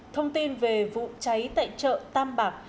thông tin về vụ cháy tại chợ tam bạc